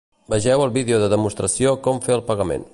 Vegeu el vídeo de demostració Com fer el pagament.